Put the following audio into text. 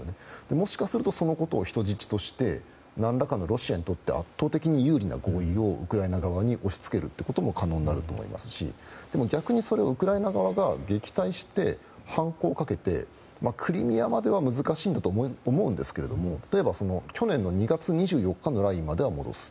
もしかするとそのことを人質として何らかのロシアにとって圧倒的な優位な合意をウクライナ側に押し付けるということも可能になると思いますしでも、逆にそれをウクライナが利用して反抗をかけてクリミアまでは難しいと思いますが例えば去年の２月２４日のラインまでは戻す。